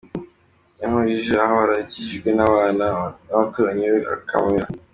Yankurije ahora akikijwe n’abana b’abaturanyi be akamira.